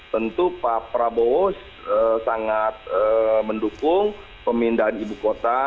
tentu pak prabowo sangat mendukung pemindahan ibu kota